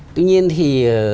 tuy nhiên thì